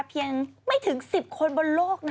เพียงไม่ถึง๑๐คนบนโลกนะ